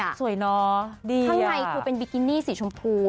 ข้างในคือเป็นบิกินี่สีชมพู